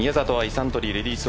サントリーレディス